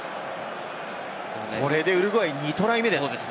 これでウルグアイ、２トライ目です。